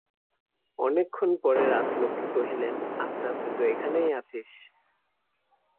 অনেকক্ষণ পরে রাজলক্ষ্মী কহিলেন, আজ রাত্রে তো এখানেই আছিস?